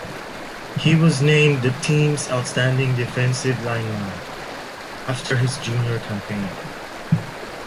He was named the team's outstanding defensive lineman after his junior campaign.